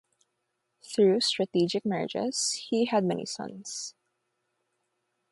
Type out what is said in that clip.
Through strategic marriages he had many sons.